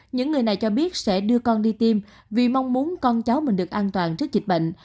những người này cho biết sẽ đưa con đi tiêm vì mong muốn con cháu mình được an toàn trước dịch bệnh